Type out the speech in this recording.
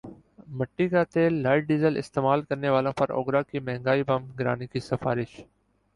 مٹی کا تیللائٹ ڈیزل استعمال کرنے والوں پر اوگرا کی مہنگائی بم گرانے کی سفارش